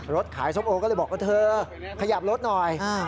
รถขายส้มโอก็เลยบอกว่าเธอขยับรถหน่อย